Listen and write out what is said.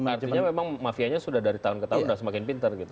artinya memang mafianya sudah dari tahun ke tahun sudah semakin pinter gitu